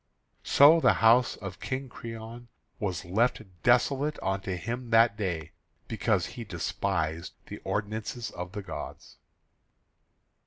So the house of King Creon was left desolate unto him that day, because he despised the ordinances of the gods.